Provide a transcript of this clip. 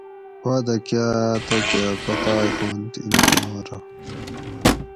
وعدہ کاۤ تکہ پتائے ہُواۤنت انکارہ